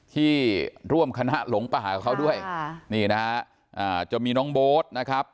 ที่ร่วมคณะหลงป่ากับเขาด้วยนี่นะฮะจะมีน้องโบ๊ทนะครับ